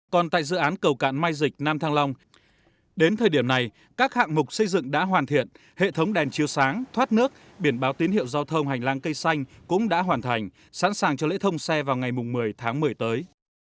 còn tại dự án cầu cạn mai dịch nam thăng long đến thời điểm này các hạng mục xây dựng đã hoàn thiện hệ thống đèn chiếu sáng thoát nước biển báo tín hiệu giao thông hành lang cây xanh cũng đã hoàn thành sẵn sàng cho lễ thông xe vào ngày một mươi tháng một mươi tới